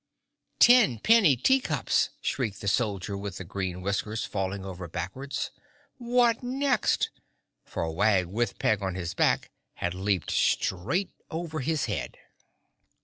"Ten penny tea cups!" shrieked the Soldier with the Green Whiskers, falling over backwards. "What next?" For Wag with Peg on his back had leaped straight over his head.